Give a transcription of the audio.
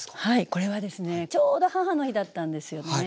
これはですねちょうど母の日だったんですよね。